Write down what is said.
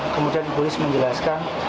kemudian ibu risiko menjelaskan